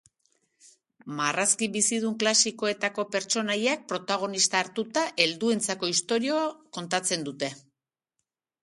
Marrazki bizidun klasikoetako pertsonaiak protagonista hartuta, helduentzako istorio kontatzen dute.